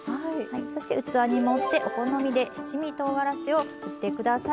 そして器に盛ってお好みで七味とうがらしをふって下さい。